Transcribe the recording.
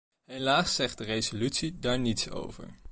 Helaas zegt de resolutie daar niets over.